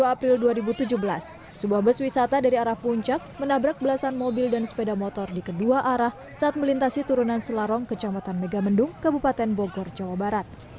dua puluh april dua ribu tujuh belas sebuah bus wisata dari arah puncak menabrak belasan mobil dan sepeda motor di kedua arah saat melintasi turunan selarong kecamatan megamendung kabupaten bogor jawa barat